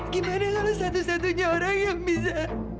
gimana lalu satu satunya orang yang bisa